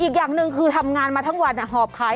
อีกอย่างหนึ่งคือทำงานมาทั้งวันหอบขาย